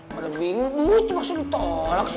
bingung bingung tuh pasti ditolak sih